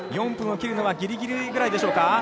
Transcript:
４分を切るのはギリギリぐらいでしょうか。